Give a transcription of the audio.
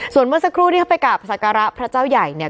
ส่วนเมื่อสักครู่ที่เขาไปกราบศักระพระเจ้าใหญ่เนี่ย